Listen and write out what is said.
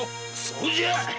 そうじゃ。